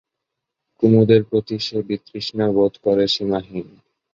কুমুদের প্রতি সে বিতৃষ্ণা বোধ করে সীমাহীন।